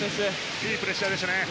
いいプレッシャーでしたね。